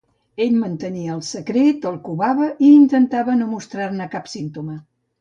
Ell mantenia el secret, el covava, i intentava no mostrar-ne cap símptoma.